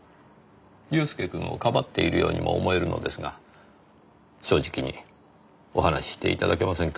祐介くんをかばっているようにも思えるのですが正直にお話しして頂けませんか？